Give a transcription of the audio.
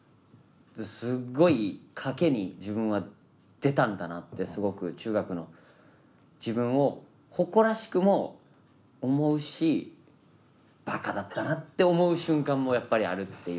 すっごい賭けに自分は出たんだなってすごく中学の自分を誇らしくも思うしばかだったなって思う瞬間もやっぱりあるっていう。